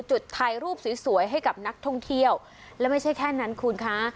จุดถ่ายรูปสวยสวยให้กับนักท่องเที่ยวและไม่ใช่แค่นั้นคุณคะ